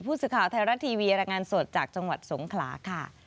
ผู้สื่อข่าวไทยรัฐทีวีรายงานสดจากจังหวัดสงขลาค่ะ